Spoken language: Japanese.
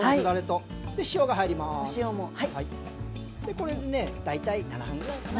これでね大体７分ぐらいかな。